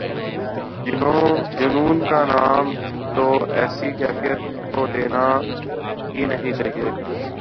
جنون کا نام تو ایسی کیفیت کو دینا ہی نہیں چاہیے۔